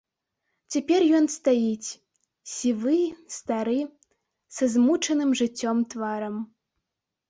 Цяпер ён стаіць, сівы, стары, са змучаным жыццём тварам.